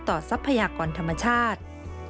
ทรัพยากรธรรมชาติ